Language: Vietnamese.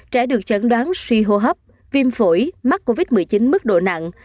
trẻ được chẩn đoán suy hô hấp viêm phổi mắc covid một mươi chín mức độ nặng